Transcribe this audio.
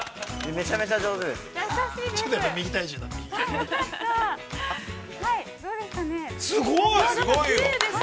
◆めちゃめちゃ上手です。